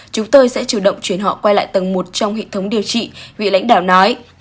chúng tôi sẽ chủ động chuyển họ quay lại tầng một trong hệ thống điều trị vị lãnh đạo nói